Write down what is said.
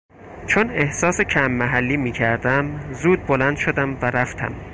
چون احساس کم محلی میکردم زود بلند شدم و رفتم.